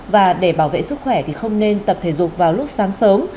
và để bảo vệ sức khỏe thì không nên tập thể dục vào lúc sáng sớm